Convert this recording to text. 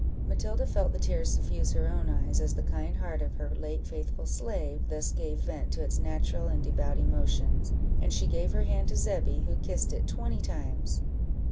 Matilda felt the tears suffuse her own eyes, as the kind heart of her late faithful slave thus gave vent to its natural and devout emotions; and she gave her hand to Zebby, who kissed it twenty times.